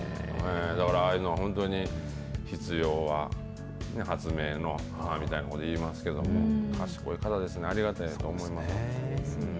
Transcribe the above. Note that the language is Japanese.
だからああいう、本当に必要は発明の母みたいなこといいますけど、賢い方ですね、ありがたいと思います。